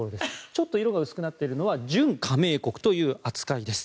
ちょっと色が薄くなっているのは準加盟国という扱いです。